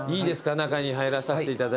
中に入らさせていただいて。